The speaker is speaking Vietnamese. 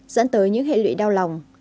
dẫn tới những hệ lụy đau lòng